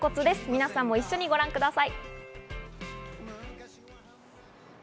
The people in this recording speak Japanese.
皆さんも一緒にご覧ください。